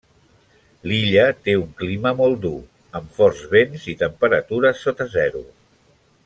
L'illa té un clima molt dur, amb forts vents i temperatures sota zero.